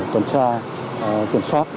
tuần tra kiểm soát